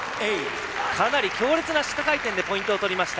かなり強烈な下回転でポイントを取りました。